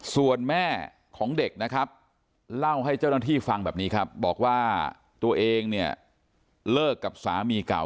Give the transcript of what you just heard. ส่วนแม่ของเด็กนะครับเล่าให้เจ้าหน้าที่ฟังแบบนี้ครับบอกว่าตัวเองเนี่ยเลิกกับสามีเก่า